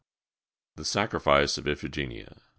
THE SACRIFICE OF IPHIGENIA.